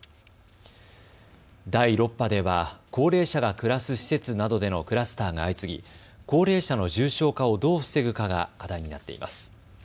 第６波では高齢者が暮らす施設などでのクラスターが相次ぎ高齢者の重症化をどう防ぐかが課題になっています。